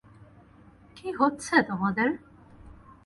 কী হচ্ছে তোমাদের?